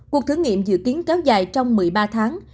cuộc thử nghiệm dự kiến kéo dài trong một mươi ba tháng